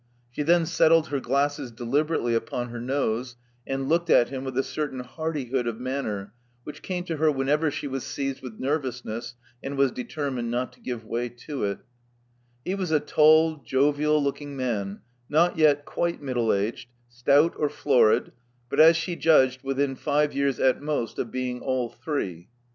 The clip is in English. She then settled her glasses deliberately upon her nose, and looked at him with a certain hardihood of manner which came, to her whenever she was seized with nervousness, and was determined not to give way to it He was a tall, jovial looking man, not yet quite middle aged, stout, or florid, but, as she judged, within five years at most of being all three.